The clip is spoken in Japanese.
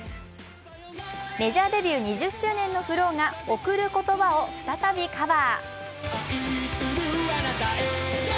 メジャーデビュー２０周年のＦＬＯＷが「贈る言葉」を再びカバー。